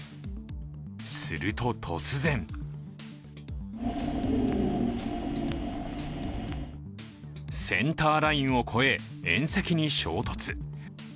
すると、突然センターラインを越え、縁石に衝突。